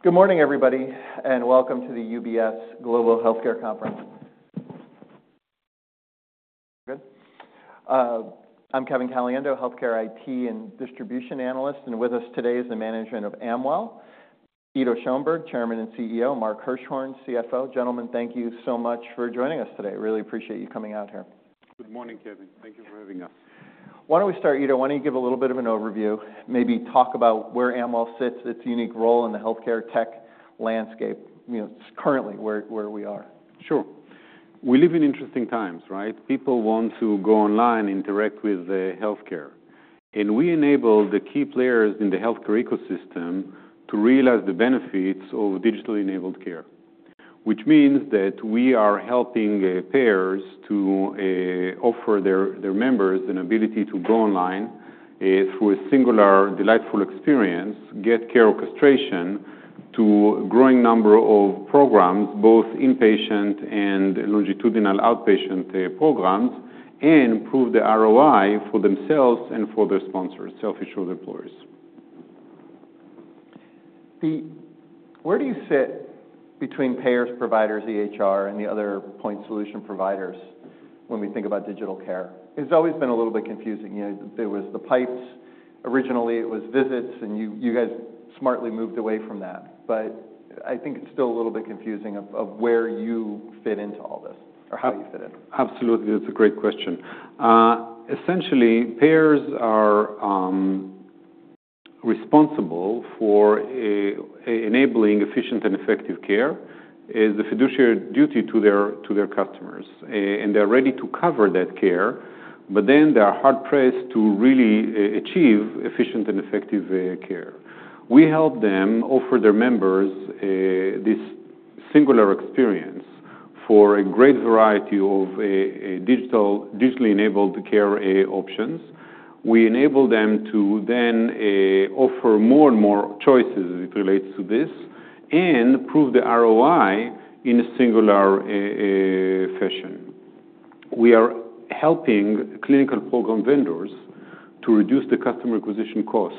Good morning, everybody, and Welcome to the UBS Global Healthcare Conference. Good. I'm Kevin Caliendo, Healthcare IT and Distribution Analyst, and with us today is the management of Amwell, Ido Schoenberg, Chairman and CEO, Mark Hirschhorn, CFO. Gentlemen, thank you so much for joining us today. Really appreciate you coming out here. Good morning, Kevin. Thank you for having us. Why don't we start, Ido? Why don't you give a little bit of an overview, maybe talk about where Amwell sits, its unique role in the healthcare tech landscape, currently where we are? Sure. We live in interesting times, right? People want to go online and interact with healthcare, and we enable the key players in the healthcare ecosystem to realize the benefits of digitally enabled care, which means that we are helping payers to offer their members an ability to go online through a singular, delightful experience, get care orchestration to a growing number of programs, both inpatient and longitudinal outpatient programs, and improve the ROI for themselves and for their sponsors, self-insured employers. Where do you sit between payers, providers, EHR, and the other point solution providers when we think about digital care? It's always been a little bit confusing. There were the pipes. Originally, it was visits, and you guys smartly moved away from that. But I think it's still a little bit confusing of where you fit into all this, or how you fit in. Absolutely. That's a great question. Essentially, payers are responsible for enabling efficient and effective care. It's the fiduciary duty to their customers. And they're ready to cover that care, but then they are hard-pressed to really achieve efficient and effective care. We help them offer their members this singular experience for a great variety of digitally enabled care options. We enable them to then offer more and more choices as it relates to this and prove the ROI in a singular fashion. We are helping clinical program vendors to reduce the customer acquisition cost.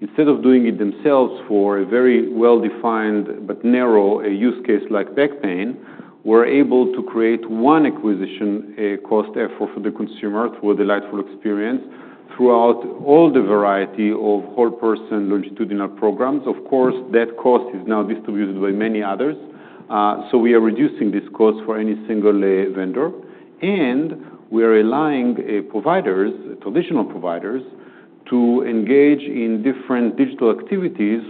Instead of doing it themselves for a very well-defined but narrow use case like back pain, we're able to create one acquisition cost effort for the consumer through a delightful experience throughout all the variety of whole-person longitudinal programs. Of course, that cost is now distributed by many others. So we are reducing this cost for any single vendor. And we are allowing providers, traditional providers, to engage in different digital activities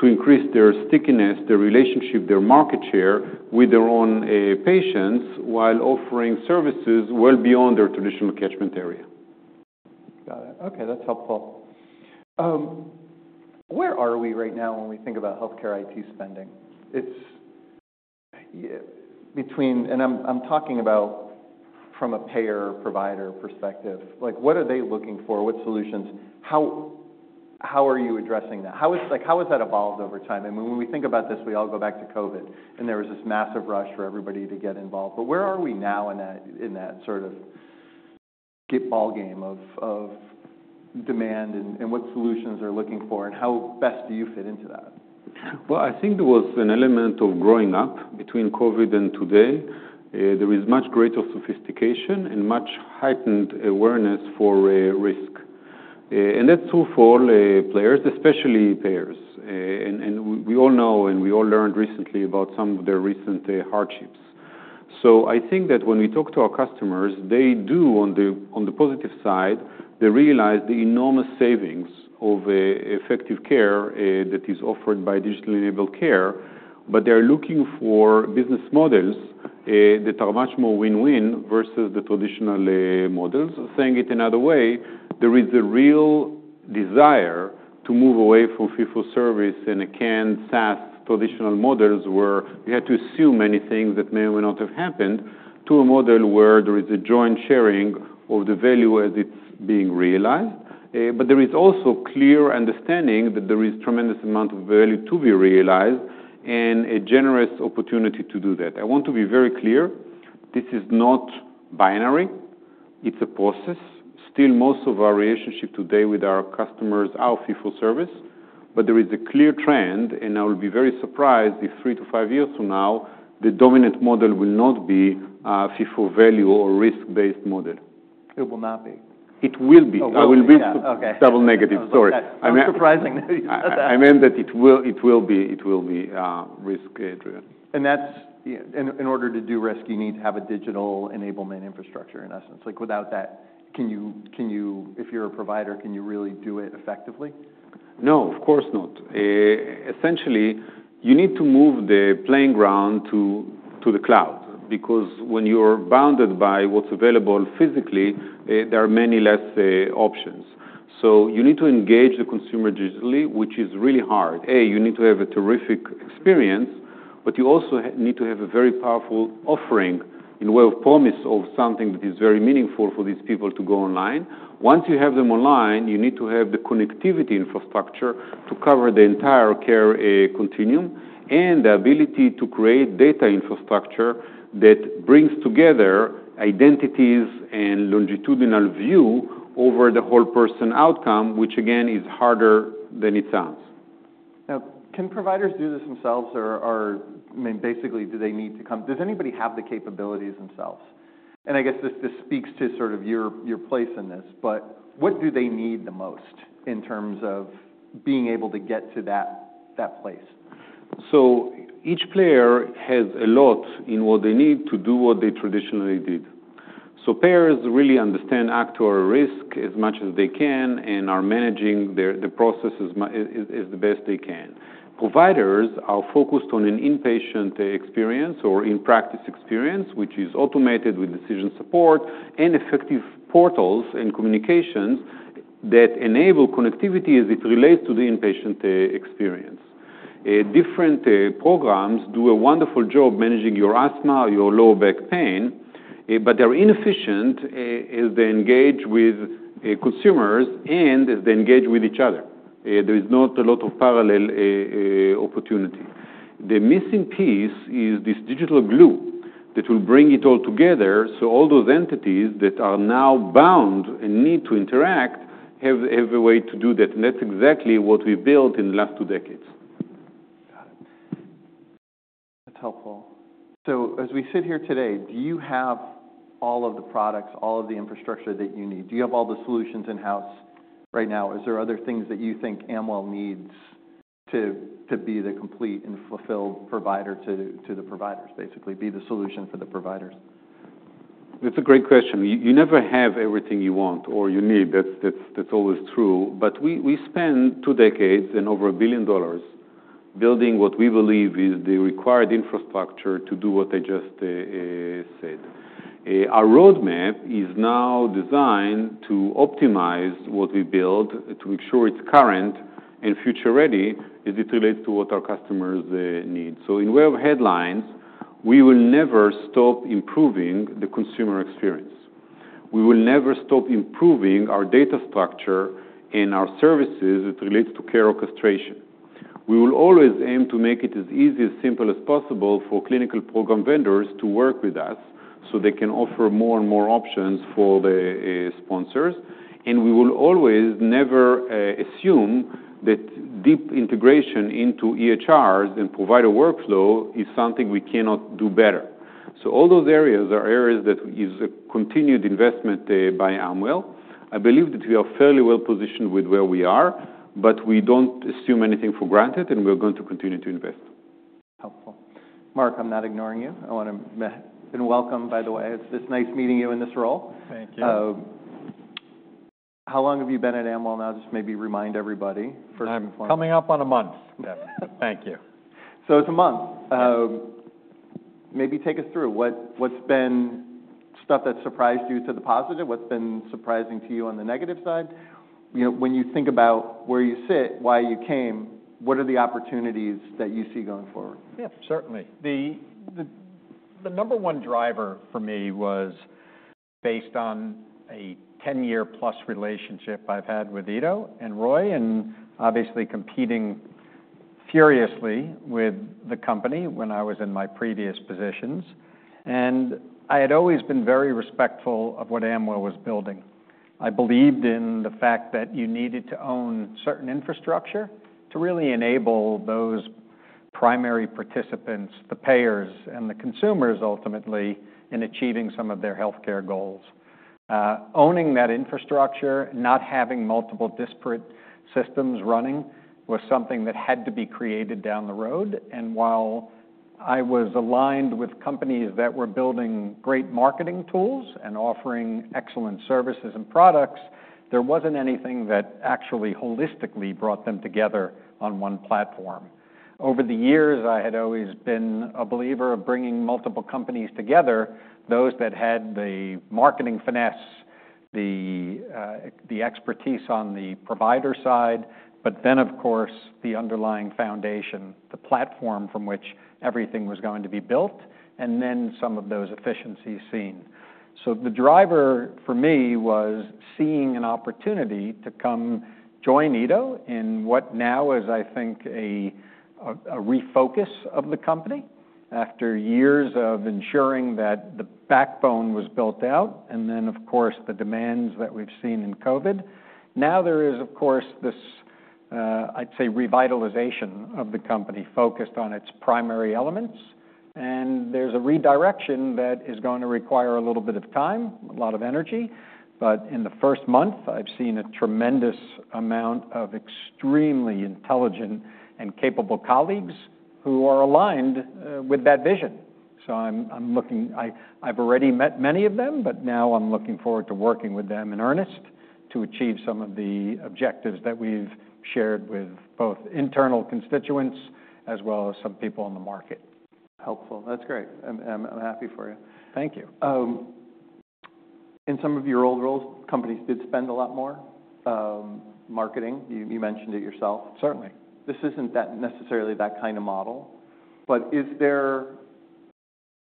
to increase their stickiness, their relationship, their market share with their own patients while offering services well beyond their traditional catchment area. Got it. Okay. That's helpful. Where are we right now when we think about healthcare IT spending? And I'm talking about from a payer-provider perspective. What are they looking for? What solutions? How are you addressing that? How has that evolved over time? And when we think about this, we all go back to COVID, and there was this massive rush for everybody to get involved. But where are we now in that sort of Skee-Ball game of demand and what solutions are looking for, and how best do you fit into that? Well, I think there was an element of growing up between COVID and today. There is much greater sophistication and much heightened awareness for risk. And that's true for all players, especially payers. And we all know and we all learned recently about some of their recent hardships. So I think that when we talk to our customers, they do, on the positive side, they realize the enormous savings of effective care that is offered by digitally enabled care. But they're looking for business models that are much more win-win versus the traditional models. Saying it another way, there is a real desire to move away from fee-for-service and a canned SaaS traditional models where you had to assume many things that may or may not have happened to a model where there is a joint sharing of the value as it's being realized. But there is also clear understanding that there is a tremendous amount of value to be realized and a generous opportunity to do that. I want to be very clear. This is not binary. It's a process. Still, most of our relationship today with our customers are fee-for-service. But there is a clear trend, and I will be very surprised if three to five years from now, the dominant model will not be a fee-for-value or risk-based model. It will not be. It will be. I will be double negative. Sorry. That's surprising. I meant that it will be. It will be risk-driven. In order to do risk, you need to have a digital enablement infrastructure, in essence. Without that, if you're a provider, can you really do it effectively? No, of course not. Essentially, you need to move the playing field to the cloud. Because when you're bounded by what's available physically, there are many less options. So you need to engage the consumer digitally, which is really hard. A, you need to have a terrific experience, but you also need to have a very powerful offering in the way of promise of something that is very meaningful for these people to go online. Once you have them online, you need to have the connectivity infrastructure to cover the entire care continuum and the ability to create data infrastructure that brings together identities and longitudinal view over the whole-person outcome, which, again, is harder than it sounds. Can providers do this themselves? I mean, basically, do they need to come? Does anybody have the capabilities themselves? And I guess this speaks to sort of your place in this. But what do they need the most in terms of being able to get to that place? Each player has a lot in what they need to do what they traditionally did. Payers really understand actual risk as much as they can and are managing the processes as best they can. Providers are focused on an inpatient experience or in-practice experience, which is automated with decision support and effective portals and communications that enable connectivity as it relates to the inpatient experience. Different programs do a wonderful job managing your asthma, your lower back pain, but they're inefficient as they engage with consumers and as they engage with each other. There is not a lot of parallel opportunity. The missing piece is this digital glue that will bring it all together. All those entities that are now bound and need to interact have a way to do that. That's exactly what we built in the last two decades. Got it. That's helpful. So as we sit here today, do you have all of the products, all of the infrastructure that you need? Do you have all the solutions in-house right now? Is there other things that you think Amwell needs to be the complete and fulfilled provider to the providers, basically be the solution for the providers? That's a great question. You never have everything you want or you need. That's always true. But we spent two decades and over $1 billion building what we believe is the required infrastructure to do what I just said. Our roadmap is now designed to optimize what we build to make sure it's current and future-ready as it relates to what our customers need. So by way of headlines, we will never stop improving the consumer experience. We will never stop improving our data structure and our services as it relates to care orchestration. We will always aim to make it as easy, as simple as possible for clinical program vendors to work with us so they can offer more and more options for the sponsors. And we will always never assume that deep integration into EHRs and provider workflow is something we cannot do better. So all those areas are areas that is a continued investment by Amwell. I believe that we are fairly well positioned with where we are, but we don't assume anything for granted, and we're going to continue to invest. Helpful. Mark, I'm not ignoring you. I want to welcome, by the way. It's nice meeting you in this role. Thank you. How long have you been at Amwell now? Just maybe remind everybody. Coming up on a month, Kevin. Thank you. So it's a month. Maybe take us through what's been stuff that surprised you to the positive, what's been surprising to you on the negative side. When you think about where you sit, why you came, what are the opportunities that you see going forward? Yeah, certainly. The number one driver for me was based on a 10-year+ relationship I've had with Ido and Roy and obviously competing furiously with the company when I was in my previous positions. And I had always been very respectful of what Amwell was building. I believed in the fact that you needed to own certain infrastructure to really enable those primary participants, the payers and the consumers ultimately, in achieving some of their healthcare goals. Owning that infrastructure, not having multiple disparate systems running, was something that had to be created down the road. And while I was aligned with companies that were building great marketing tools and offering excellent services and products, there wasn't anything that actually holistically brought them together on one platform. Over the years, I had always been a believer of bringing multiple companies together, those that had the marketing finesse, the expertise on the provider side, but then, of course, the underlying foundation, the platform from which everything was going to be built, and then some of those efficiencies seen. So the driver for me was seeing an opportunity to come join Ido in what now is, I think, a refocus of the company after years of ensuring that the backbone was built out, and then, of course, the demands that we've seen in COVID. Now there is, of course, this, I'd say, revitalization of the company focused on its primary elements, and there's a redirection that is going to require a little bit of time, a lot of energy. In the first month, I've seen a tremendous amount of extremely intelligent and capable colleagues who are aligned with that vision. I've already met many of them, but now I'm looking forward to working with them in earnest to achieve some of the objectives that we've shared with both internal constituents as well as some people in the market. Helpful. That's great. I'm happy for you. Thank you. In some of your old roles, companies did spend a lot more marketing. You mentioned it yourself. Certainly. This isn't necessarily that kind of model. But is there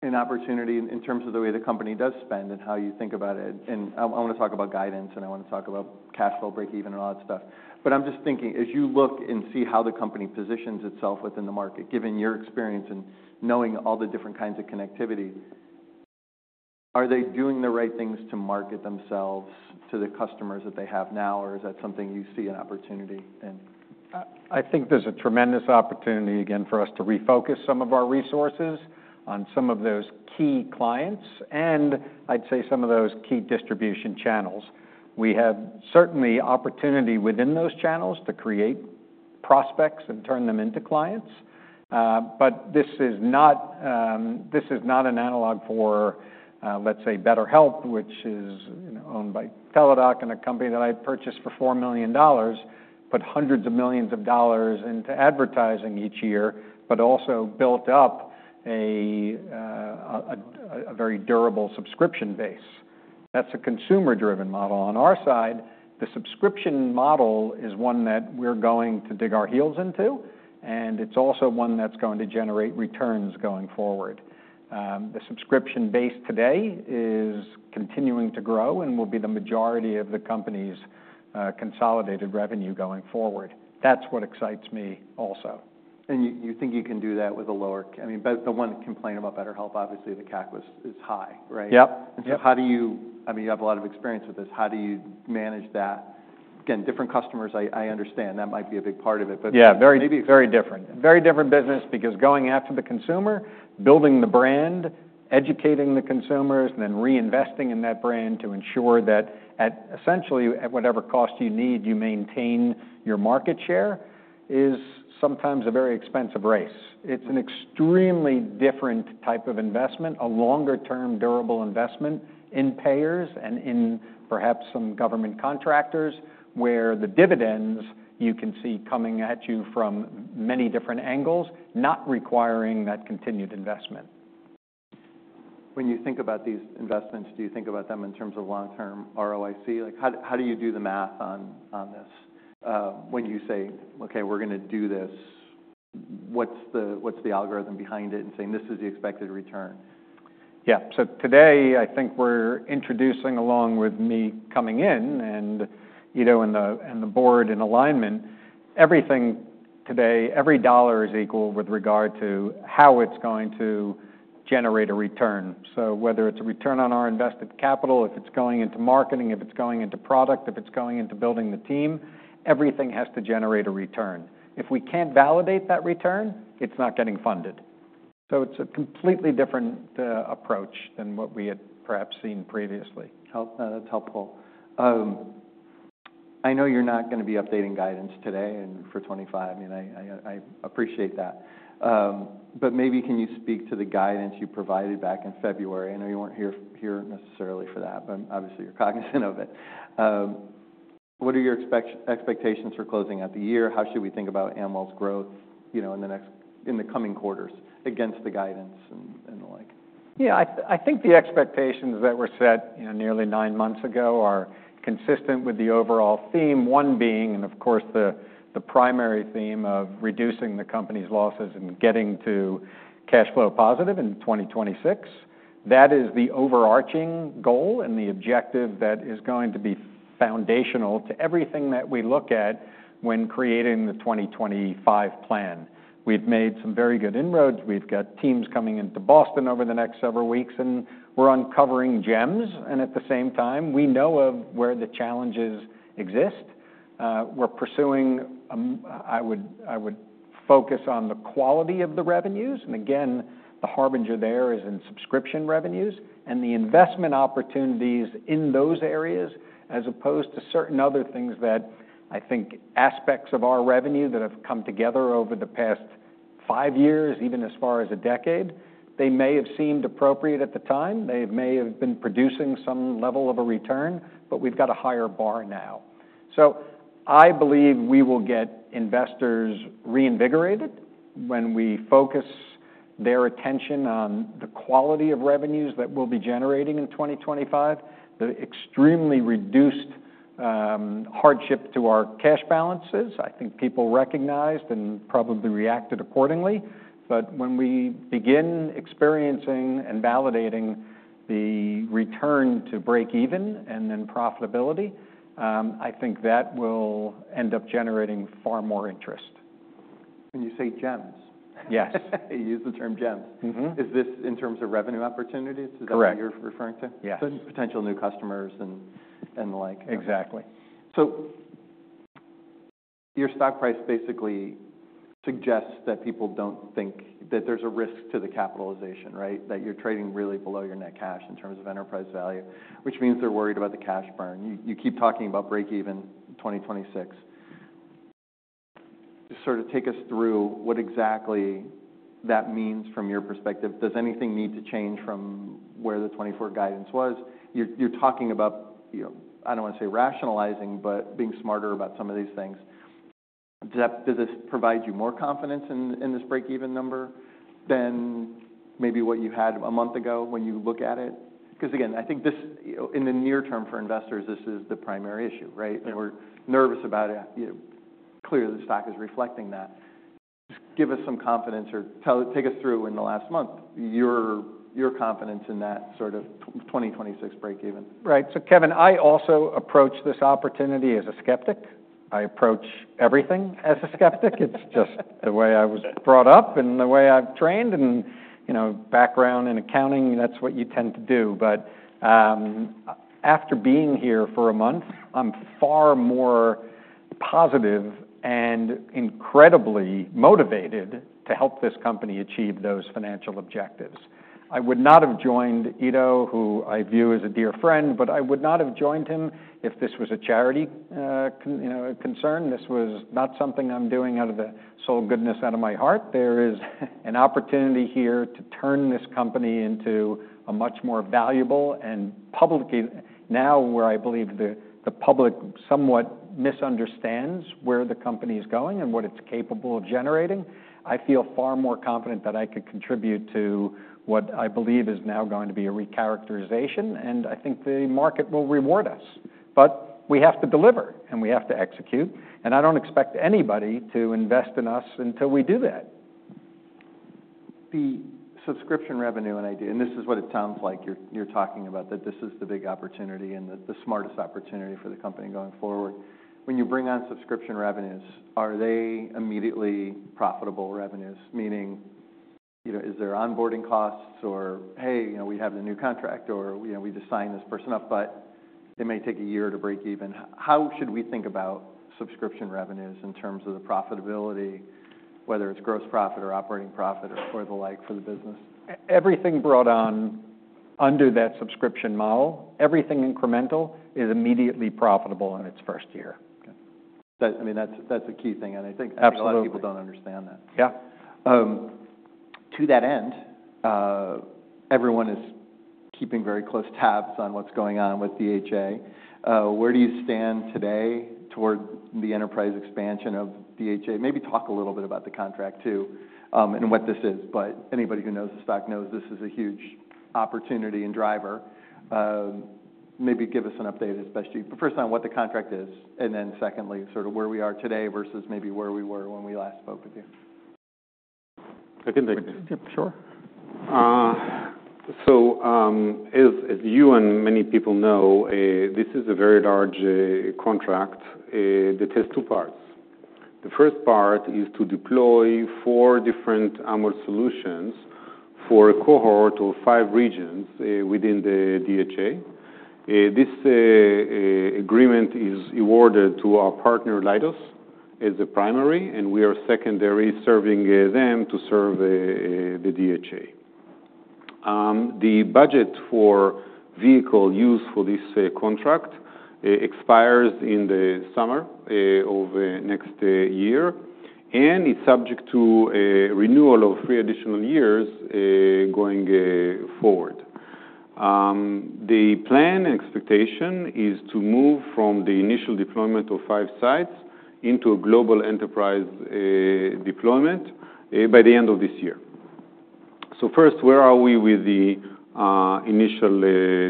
an opportunity in terms of the way the company does spend and how you think about it? And I want to talk about guidance, and I want to talk about cash flow break-even and all that stuff. But I'm just thinking, as you look and see how the company positions itself within the market, given your experience and knowing all the different kinds of connectivity, are they doing the right things to market themselves to the customers that they have now, or is that something you see an opportunity in? I think there's a tremendous opportunity again for us to refocus some of our resources on some of those key clients and, I'd say, some of those key distribution channels. We have certainly opportunity within those channels to create prospects and turn them into clients. But this is not an analog for, let's say, BetterHelp, which is owned by Teladoc and a company that I purchased for $4 million, put hundreds of millions of dollars into advertising each year, but also built up a very durable subscription base. That's a consumer-driven model. On our side, the subscription model is one that we're going to dig our heels into, and it's also one that's going to generate returns going forward. The subscription base today is continuing to grow and will be the majority of the company's consolidated revenue going forward. That's what excites me also. You think you can do that with a lower, I mean, the one complaint about BetterHelp, obviously, the CAC is high, right? Yep. And so, how do you, I mean, you have a lot of experience with this. How do you manage that? Again, different customers, I understand. That might be a big part of it. Yeah, very different. Very different business because going after the consumer, building the brand, educating the consumers, and then reinvesting in that brand to ensure that, essentially, at whatever cost you need, you maintain your market share is sometimes a very expensive race. It's an extremely different type of investment, a longer-term durable investment in payers and in perhaps some government contractors where the dividends you can see coming at you from many different angles, not requiring that continued investment. When you think about these investments, do you think about them in terms of long-term ROIC? How do you do the math on this? When you say, "Okay, we're going to do this," what's the algorithm behind it in saying, "This is the expected return"? Yeah. So today, I think we're introducing, along with me coming in and the board in alignment, everything today, every dollar is equal with regard to how it's going to generate a return. So whether it's a return on our invested capital, if it's going into marketing, if it's going into product, if it's going into building the team, everything has to generate a return. If we can't validate that return, it's not getting funded. So it's a completely different approach than what we had perhaps seen previously. That's helpful. I know you're not going to be updating guidance today and for '25. I mean, I appreciate that. But maybe can you speak to the guidance you provided back in February? I know you weren't here necessarily for that, but obviously, you're cognizant of it. What are your expectations for closing out the year? How should we think about Amwell's growth in the coming quarters against the guidance and the like? Yeah. I think the expectations that were set nearly nine months ago are consistent with the overall theme, one being, and of course, the primary theme of reducing the company's losses and getting to cash flow positive in 2026. That is the overarching goal and the objective that is going to be foundational to everything that we look at when creating the 2025 plan. We've made some very good inroads. We've got teams coming into Boston over the next several weeks, and we're uncovering gems. And at the same time, we know of where the challenges exist. We're pursuing. I would focus on the quality of the revenues. And again, the harbinger there is in subscription revenues and the investment opportunities in those areas as opposed to certain other things that, I think, aspects of our revenue that have come together over the past five years, even as far as a decade. They may have seemed appropriate at the time. They may have been producing some level of a return, but we've got a higher bar now. So I believe we will get investors reinvigorated when we focus their attention on the quality of revenues that we'll be generating in 2025, the extremely reduced hardship to our cash balances. I think people recognized and probably reacted accordingly. But when we begin experiencing and validating the return to break-even and then profitability, I think that will end up generating far more interest. When you say gems. Yes. You used the term gems. Is this in terms of revenue opportunities? Correct. Is that what you're referring to? Yes. Potential new customers and the like? Exactly. So your stock price basically suggests that people don't think that there's a risk to the capitalization, right? That you're trading really below your net cash in terms of enterprise value, which means they're worried about the cash burn. You keep talking about break-even 2026. Just sort of take us through what exactly that means from your perspective. Does anything need to change from where the 2024 guidance was? You're talking about, I don't want to say rationalizing, but being smarter about some of these things. Does this provide you more confidence in this break-even number than maybe what you had a month ago when you look at it? Because again, I think in the near term for investors, this is the primary issue, right? We're nervous about it. Clearly, the stock is reflecting that. Just give us some confidence or take us through in the last month your confidence in that sort of 2026 break-even. Right. So Kevin, I also approach this opportunity as a skeptic. I approach everything as a skeptic. It's just the way I was brought up and the way I've trained and background in accounting, that's what you tend to do. But after being here for a month, I'm far more positive and incredibly motivated to help this company achieve those financial objectives. I would not have joined Ido, who I view as a dear friend, but I would not have joined him if this was a charity concern. This was not something I'm doing out of the sole goodness out of my heart. There is an opportunity here to turn this company into a much more valuable and publicly now where I believe the public somewhat misunderstands where the company is going and what it's capable of generating. I feel far more confident that I could contribute to what I believe is now going to be a recharacterization. And I think the market will reward us. But we have to deliver and we have to execute. And I don't expect anybody to invest in us until we do that. The subscription revenue, and this is what it sounds like you're talking about, that this is the big opportunity and the smartest opportunity for the company going forward. When you bring on subscription revenues, are they immediately profitable revenues? Meaning, is there onboarding costs or, "Hey, we have the new contract," or, "We just signed this person up," but it may take a year to break even. How should we think about subscription revenues in terms of the profitability, whether it's gross profit or operating profit or the like for the business? Everything brought on under that subscription model, everything incremental is immediately profitable in its first year. I mean, that's a key thing. I think a lot of people don't understand that. Absolutely. Yeah. To that end, everyone is keeping very close tabs on what's going on with DHA. Where do you stand today toward the enterprise expansion of DHA? Maybe talk a little bit about the contract too and what this is. But anybody who knows the stock knows this is a huge opportunity and driver. Maybe give us an update as best you can. But first, on what the contract is, and then secondly, sort of where we are today versus maybe where we were when we last spoke with you. I can take this. Sure. As you and many people know, this is a very large contract. It has two parts. The first part is to deploy four different Amwell solutions for a cohort of five regions within the DHA. This agreement is awarded to our partner Leidos as a primary, and we are secondary serving them to serve the DHA. The budget for vehicle use for this contract expires in the summer of next year, and it's subject to renewal of three additional years going forward. The plan and expectation is to move from the initial deployment of five sites into a global enterprise deployment by the end of this year. So first, where are we with the initial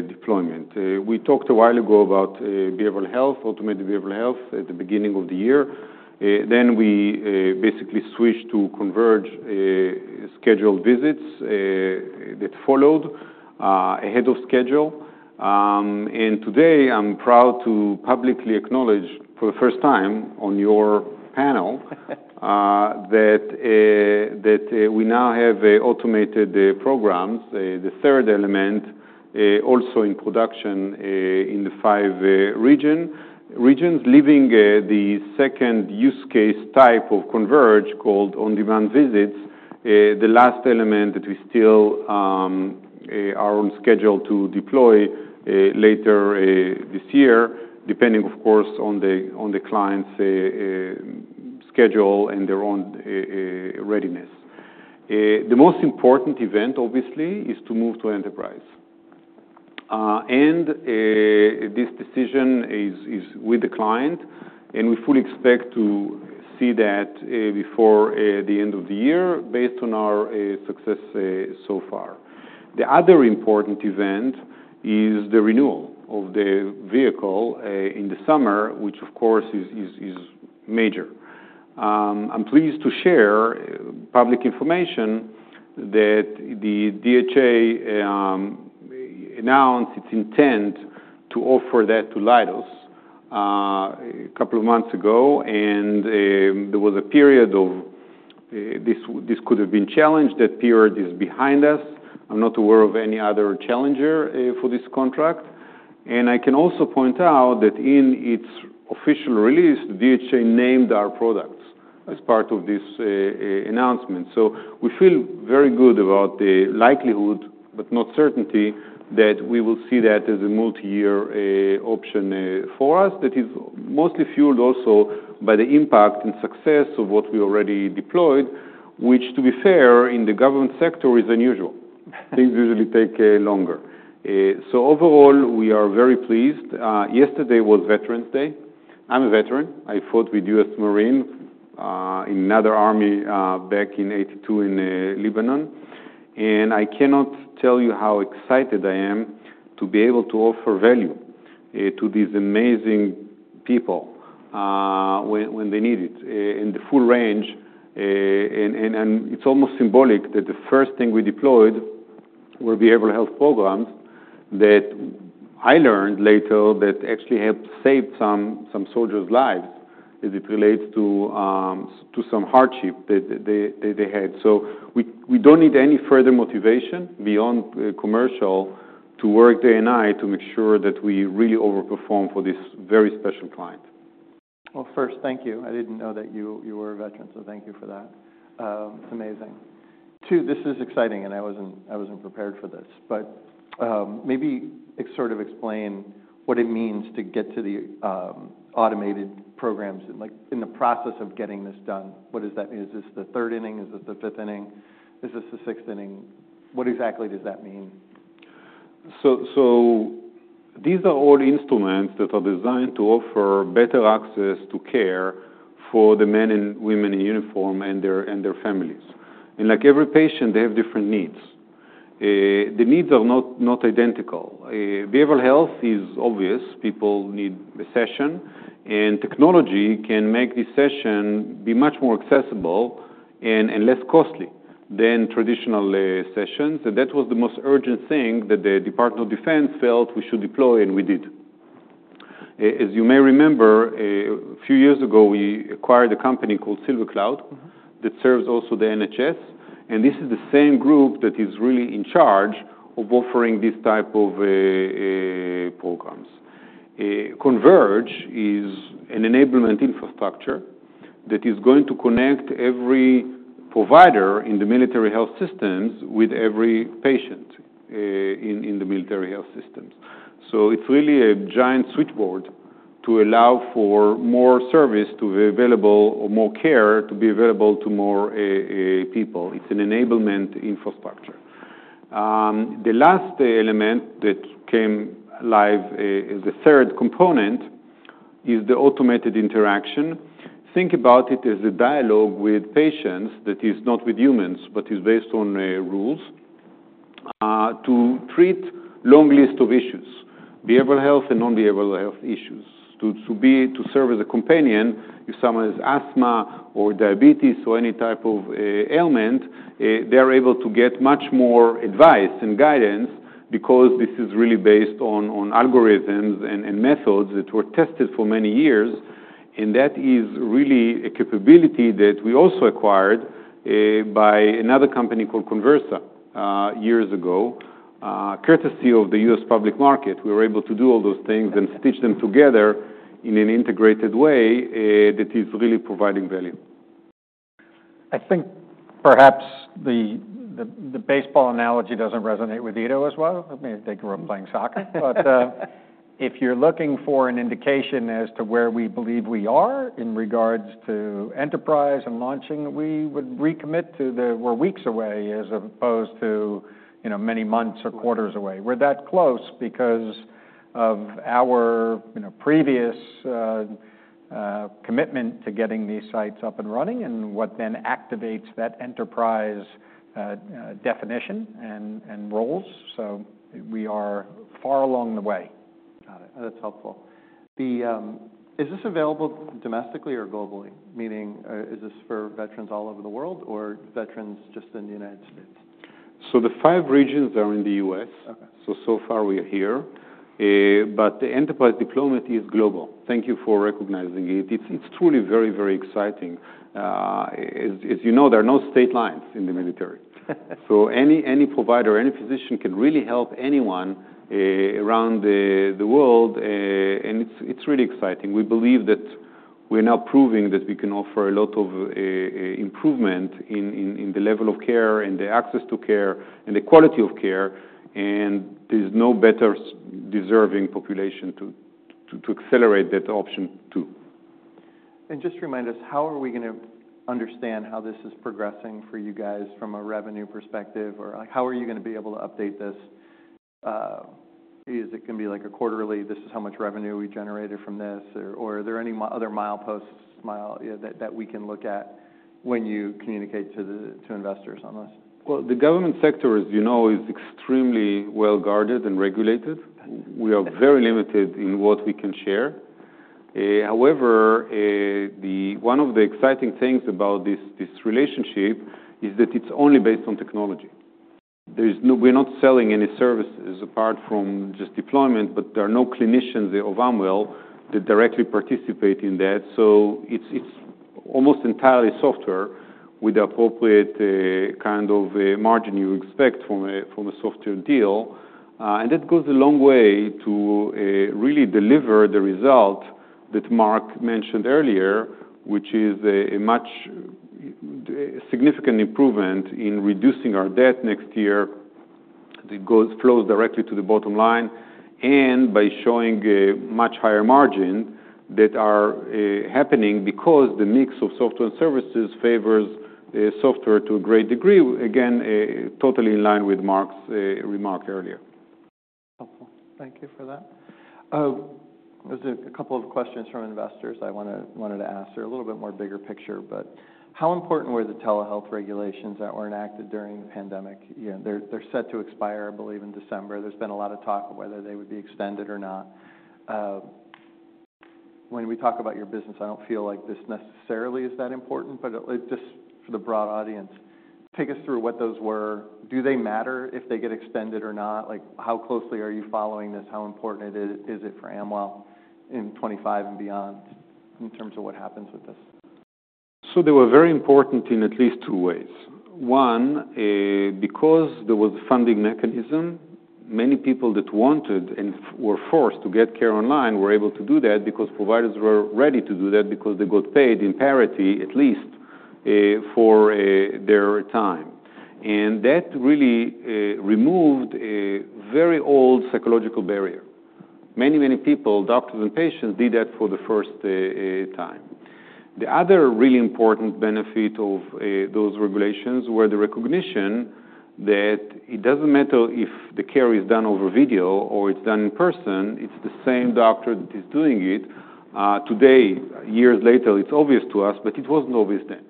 deployment? We talked a while ago about automated behavioral health at the beginning of the year. Then we basically switched to Converge scheduled visits that followed ahead of schedule. Today, I'm proud to publicly acknowledge for the first time on your panel that we now have automated programs, the third element also in production in the five regions, leaving the second use case type of Converge called on-demand visits, the last element that we still are on schedule to deploy later this year, depending, of course, on the client's schedule and their own readiness. The most important event, obviously, is to move to enterprise. This decision is with the client, and we fully expect to see that before the end of the year based on our success so far. The other important event is the renewal of the vehicle in the summer, which, of course, is major. I'm pleased to share public information that the DHA announced its intent to offer that to Leidos a couple of months ago, and there was a period of this could have been challenged. That period is behind us. I'm not aware of any other challenger for this contract. And I can also point out that in its official release, the DHA named our products as part of this announcement. So we feel very good about the likelihood, but not certainty, that we will see that as a multi-year option for us that is mostly fueled also by the impact and success of what we already deployed, which, to be fair, in the government sector is unusual. Things usually take longer. So overall, we are very pleased. Yesterday was Veterans Day. I'm a veteran. I fought with U.S. Marine in another army back in 1982 in Lebanon. I cannot tell you how excited I am to be able to offer value to these amazing people when they need it in the full range. It's almost symbolic that the first thing we deployed were behavioral health programs that I learned later that actually helped save some soldiers' lives as it relates to some hardship that they had. We don't need any further motivation beyond commercial to work day and night to make sure that we really overperform for this very special client. First, thank you. I didn't know that you were a veteran, so thank you for that. It's amazing. Two, this is exciting, and I wasn't prepared for this. But maybe sort of explain what it means to get to the automated programs in the process of getting this done. What does that mean? Is this the third inning? Is this the fifth inning? Is this the sixth inning? What exactly does that mean? So these are all instruments that are designed to offer better access to care for the men and women in uniform and their families. And like every patient, they have different needs. The needs are not identical. Behavioral health is obvious. People need a session. And technology can make the session be much more accessible and less costly than traditional sessions. And that was the most urgent thing that the Department of Defense felt we should deploy, and we did. As you may remember, a few years ago, we acquired a company called SilverCloud that serves also the NHS. And this is the same group that is really in charge of offering this type of programs. Converge is an enablement infrastructure that is going to connect every provider in the Military Health Systems with every patient in the Military Health Systems. So it's really a giant switchboard to allow for more service to be available or more care to be available to more people. It's an enablement infrastructure. The last element that came live as the third component is the automated interaction. Think about it as a dialogue with patients that is not with humans, but is based on rules to treat a long list of issues, behavioral health and non-behavioral health issues. To serve as a companion if someone has asthma or diabetes or any type of ailment, they are able to get much more advice and guidance because this is really based on algorithms and methods that were tested for many years. And that is really a capability that we also acquired by another company called Conversa years ago, courtesy of the U.S. public market. We were able to do all those things and stitch them together in an integrated way that is really providing value. I think perhaps the baseball analogy doesn't resonate with Ido as well. I mean, they grew up playing soccer. But if you're looking for an indication as to where we believe we are in regards to enterprise and launching, we would recommit to the "we're weeks away" as opposed to many months or quarters away. We're that close because of our previous commitment to getting these sites up and running and what then activates that enterprise definition and roles. So we are far along the way. Got it. That's helpful. Is this available domestically or globally? Meaning, is this for veterans all over the world or veterans just in the United States? So the five regions are in the U.S. So, so far, we are here. But the enterprise deployment is global. Thank you for recognizing it. It's truly very, very exciting. As you know, there are no state lines in the military. So any provider, any physician can really help anyone around the world. And it's really exciting. We believe that we're now proving that we can offer a lot of improvement in the level of care and the access to care and the quality of care. And there's no better-deserving population to accelerate that option too. Just remind us, how are we going to understand how this is progressing for you guys from a revenue perspective? Or how are you going to be able to update this? Is it going to be like a quarterly, "This is how much revenue we generated from this"? Or are there any other mileposts that we can look at when you communicate to investors on this? The government sector, as you know, is extremely well guarded and regulated. We are very limited in what we can share. However, one of the exciting things about this relationship is that it's only based on technology. We're not selling any services apart from just deployment, but there are no clinicians of Amwell that directly participate in that. So it's almost entirely software with the appropriate kind of margin you expect from a software deal. And that goes a long way to really deliver the result that Mark mentioned earlier, which is a much significant improvement in reducing our debt next year that flows directly to the bottom line and by showing a much higher margin that are happening because the mix of software and services favors software to a great degree, again, totally in line with Mark's remark earlier. Helpful. Thank you for that. There's a couple of questions from investors I wanted to ask. They're a little bit more bigger picture. But how important were the telehealth regulations that were enacted during the pandemic? They're set to expire, I believe, in December. There's been a lot of talk of whether they would be extended or not. When we talk about your business, I don't feel like this necessarily is that important, but just for the broad audience, take us through what those were. Do they matter if they get extended or not? How closely are you following this? How important is it for Amwell in 2025 and beyond in terms of what happens with this? So they were very important in at least two ways. One, because there was a funding mechanism, many people that wanted and were forced to get care online were able to do that because providers were ready to do that because they got paid in parity, at least, for their time. And that really removed a very old psychological barrier. Many, many people, doctors and patients, did that for the first time. The other really important benefit of those regulations was the recognition that it doesn't matter if the care is done over video or it's done in person. It's the same doctor that is doing it. Today, years later, it's obvious to us, but it wasn't obvious then.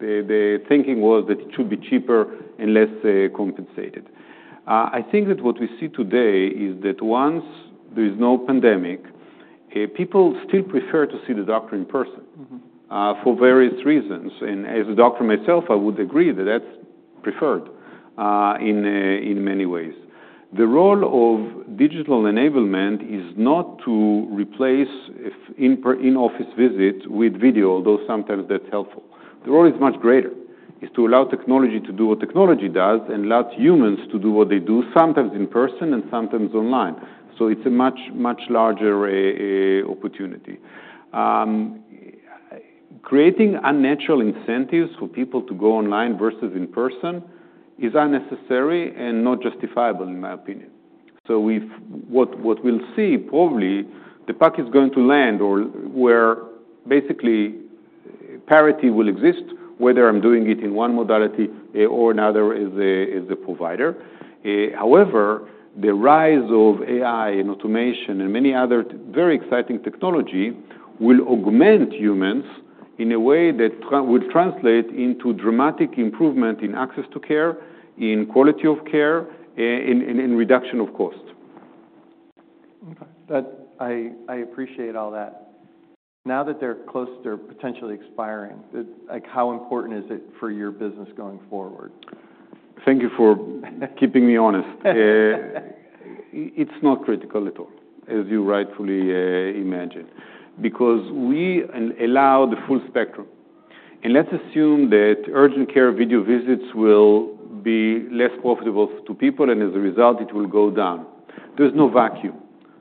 The thinking was that it should be cheaper and less compensated. I think that what we see today is that once there is no pandemic, people still prefer to see the doctor in person for various reasons. And as a doctor myself, I would agree that that's preferred in many ways. The role of digital enablement is not to replace in-office visits with video, although sometimes that's helpful. The role is much greater. It's to allow technology to do what technology does and allow humans to do what they do, sometimes in person and sometimes online. So it's a much, much larger opportunity. Creating unnatural incentives for people to go online versus in person is unnecessary and not justifiable, in my opinion. So what we'll see probably, the puck is going to land where basically parity will exist, whether I'm doing it in one modality or another as a provider. However, the rise of AI and automation and many other very exciting technologies will augment humans in a way that will translate into dramatic improvement in access to care, in quality of care, and reduction of cost. Okay. I appreciate all that. Now that they're close, they're potentially expiring, how important is it for your business going forward? Thank you for keeping me honest. It's not critical at all, as you rightfully imagine, because we allow the full spectrum. And let's assume that urgent care video visits will be less profitable to people, and as a result, it will go down. There's no vacuum.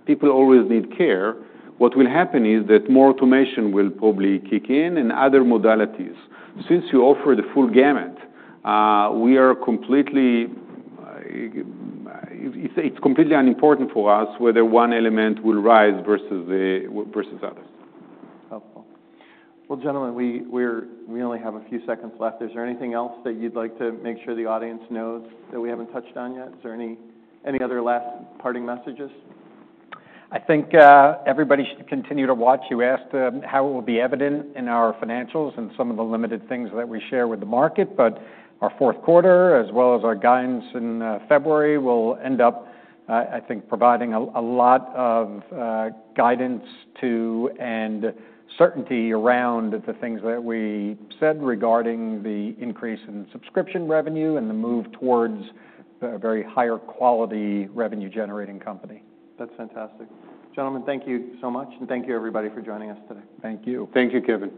People always need care. What will happen is that more automation will probably kick in and other modalities. Since you offer the full gamut, we are completely unimportant for us whether one element will rise versus others. Helpful. Well, gentlemen, we only have a few seconds left. Is there anything else that you'd like to make sure the audience knows that we haven't touched on yet? Is there any other last parting messages? I think everybody should continue to watch. You asked how it will be evident in our financials and some of the limited things that we share with the market. But our fourth quarter, as well as our guidance in February, will end up, I think, providing a lot of guidance and certainty around the things that we said regarding the increase in subscription revenue and the move towards a very higher quality revenue-generating company. That's fantastic. Gentlemen, thank you so much, and thank you, everybody, for joining us today. Thank you. Thank you, Kevin.